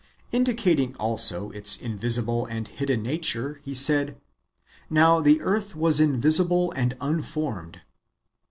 Indicating also its invisible and hidden nature, he said, "Now the earth was invisible and unformed."